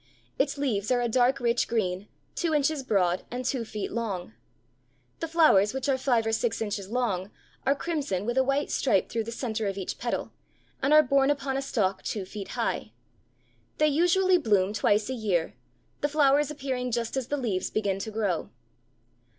Its leaves are a dark rich green, two inches broad, and two feet long. The flowers which are five or six inches long, are crimson with a white stripe through the center of each petal, and are borne upon a stalk two feet high. They usually bloom twice a year, the flowers appearing just as the leaves begin to grow.